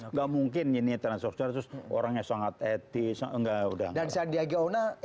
enggak mungkin gini transaksional terus orangnya sangat etis enggak udah